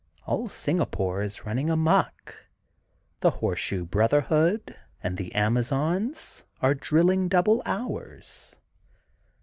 All Singapore is running amuck. The Horseshoe Brotherhood and the Amazons are drilling double hours.